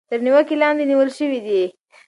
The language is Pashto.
تر نېوکې لاندې نيول شوي دي.